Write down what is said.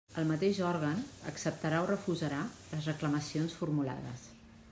El mateix òrgan acceptarà o refusarà les reclamacions formulades.